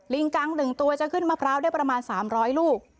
กัง๑ตัวจะขึ้นมะพร้าวได้ประมาณ๓๐๐ลูก